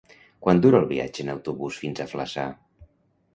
Quant dura el viatge en autobús fins a Flaçà?